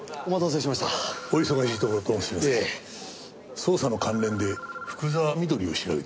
捜査の関連で福沢美登里を調べています。